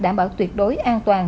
đảm bảo tuyệt đối an toàn